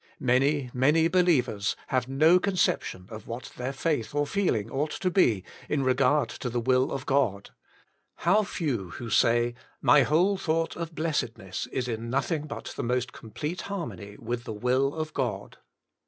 Many, many, believers have no conception of what their faith or their feeling ought to be in regard to the will of God. How few who say : My Whole Thought of Blessedness is in INT othing BUT THE Most Complete Harmony with the Will of God.